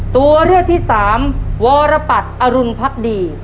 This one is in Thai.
ตัวเลือกที่สามวรปัตรอรุณพักดี